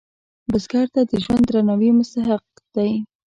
بزګر ته د ژوند د درناوي مستحق دی